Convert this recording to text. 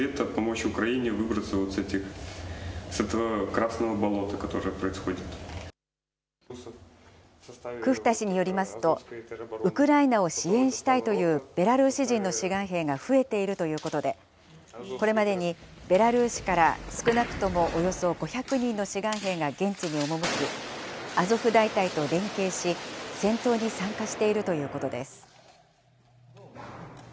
クフタ氏によりますと、ウクライナを支援したいというベラルーシ人の志願兵が増えているということで、これまでにベラルーシから少なくともおよそ５００人の志願兵が現地に赴き、アゾフ大隊と連携し、戦闘に参加しているということです。